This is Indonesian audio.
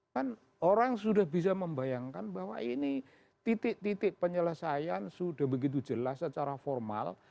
kan orang sudah bisa membayangkan bahwa ini titik titik penyelesaian sudah begitu jelas secara formal